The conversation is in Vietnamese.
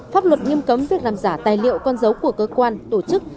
pháp luật nghiêm cấm việc làm giả tài liệu con dấu của cơ quan tổ chức